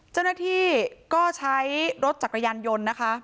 เจ้าหน้าที่ก็ใช้รถจักรยานยนต์นะคะ